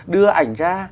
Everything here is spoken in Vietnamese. đưa ảnh ra